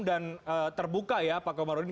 dan terbuka ya pak komarudin